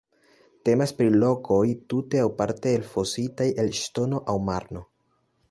Temas pri lokoj tute aŭ parte elfositaj el ŝtono aŭ marno.